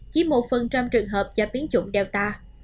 chỉ một trường hợp do biến chủng delta